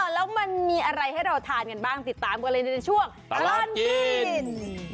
แล้วมันมีอะไรให้เราทานกันบ้างติดตามกันเลยในช่วงตลอดกิน